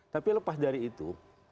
tapi lepas dari itu